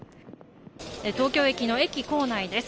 東京駅の駅構内です。